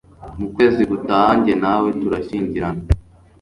mukwezi gutaha njye nawe turashyingiranwa.